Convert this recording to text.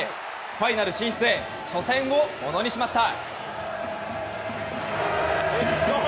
ファイナル進出へ初戦をものにしました。